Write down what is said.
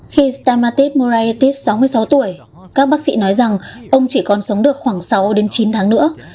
khi stamatis moraitis sáu mươi sáu tuổi các bác sĩ nói rằng ông chỉ còn sống được khoảng sáu đến chín tháng nữa